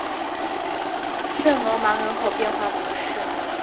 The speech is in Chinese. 圣罗芒人口变化图示